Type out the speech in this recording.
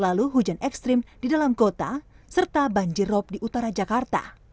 lalu hujan ekstrim di dalam kota serta banjirop di utara jakarta